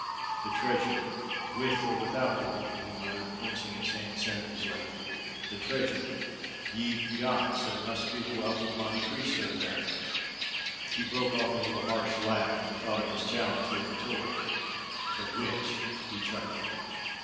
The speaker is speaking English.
"The treasure, with or without the woman!" he muttered, clenching his hands savagely. "The treasure! Ye gods! There must be the wealth of Monte Cristo there!" He broke off into a harsh laugh at thought of his challenge with the torch. "The witch!" he chuckled.